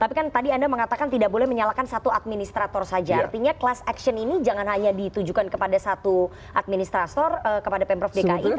tapi kan tadi anda mengatakan tidak boleh menyalakan satu administrator saja artinya class action ini jangan hanya ditujukan kepada satu administrator kepada pemprov dki